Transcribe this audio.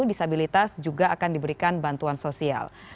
disabilitas juga akan diberikan bantuan sosial